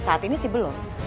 saat ini sih belum